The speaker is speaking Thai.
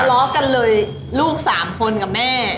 ทะเลากันเลยลูก๓คนกับแม่